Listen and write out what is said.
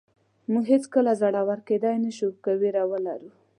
موږ هېڅکله زړور کېدلی نه شو که وېره ولرو.